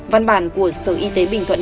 văn bản của sở y tế bình thuận